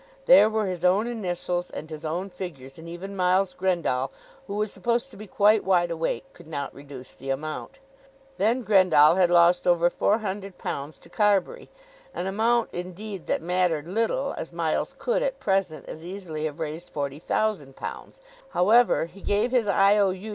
There were his own initials and his own figures, and even Miles Grendall, who was supposed to be quite wide awake, could not reduce the amount. Then Grendall had lost over £400 to Carbury, an amount, indeed, that mattered little, as Miles could, at present, as easily have raised £40,000. However, he gave his I.O.